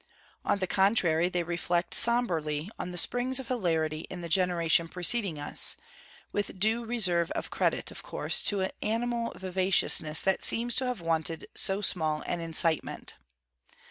On the contrary, they reflect sombrely on the springs of hilarity in the generation preceding us; with due reserve of credit, of course, to an animal vivaciousness that seems to have wanted so small an incitement.